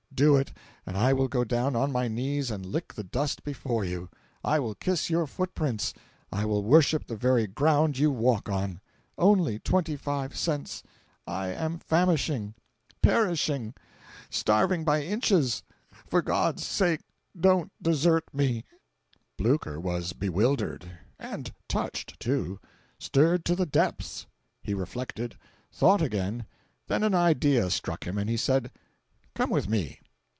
Do it, and I will go down on my knees and lick the dust before you! I will kiss your footprints—I will worship the very ground you walk on! Only twenty five cents! I am famishing—perishing—starving by inches! For God's sake don't desert me!" 433.jpg (71K) Blucher was bewildered—and touched, too—stirred to the depths. He reflected. Thought again. Then an idea struck him, and he said: "Come with me."